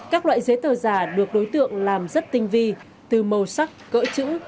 các loại giấy tờ giả được đối tượng làm rất tinh vi từ màu sắc cỡ chữ